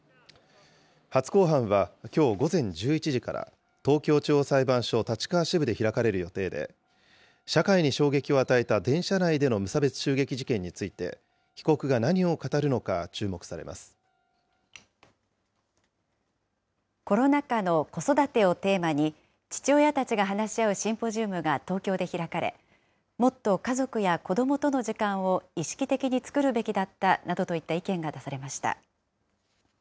初公判はきょう午前１１時から、東京地方裁判所立川支部で開かれる予定で、社会に衝撃を与えた電車内での無差別襲撃事件について、被告が何コロナ禍の子育てをテーマに、父親たちが話し合うシンポジウムが東京で開かれ、もっと家族や子どもとの時間を意識的に作るべきだったなどといった意見が出されました。